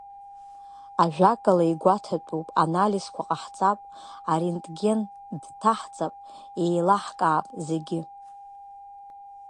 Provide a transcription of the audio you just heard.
Ажәакала, игәаҭатәуп, анализқәа ҟаҳҵап, арентген дҭаҳҵап, еилаҳкаап зегьы.